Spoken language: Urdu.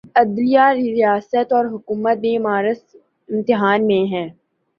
عدلیہ، ریاست اور حکومت بھی معرض امتحان میں ہیں۔